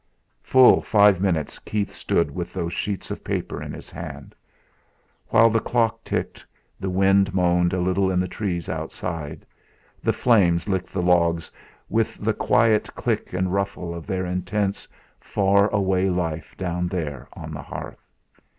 Full five minutes Keith stood with those sheets of paper in his hand, while the clock ticked, the wind moaned a little in the trees outside, the flames licked the logs with the quiet click and ruffle of their intense far away life down there on the hearth.